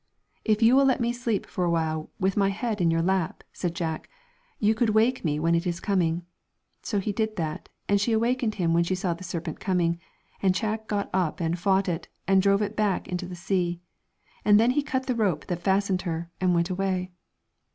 ' If you will let me sleep for awhile with my head in your lap,' said Jack, 'you could wake me when it is coming.' So he did that, and she awakened him when she saw the serpent coming, and Jack got up and fought with it, and drove it back into the sea. And then he cut the rope that fastened her, and he went away.